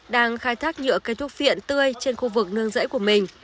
đang khai thác nhựa cây thuốc viện tươi trên khu vực nương rễ của quốc gia